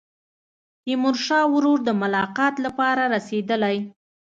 تیمورشاه ورور د ملاقات لپاره رسېدلی.